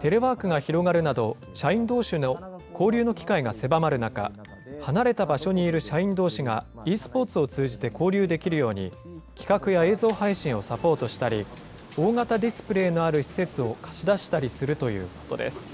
テレワークが広がるなど、社員どうしの交流の機会が狭まる中、離れた場所にいる社員どうしがｅスポーツを通じて交流できるように、企画や映像配信をサポートしたり、大型ディスプレーのある施設を貸し出したりするということです。